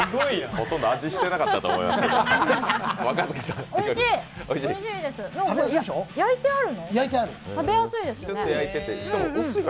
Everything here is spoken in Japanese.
ほとんど味してなかったと思いますが。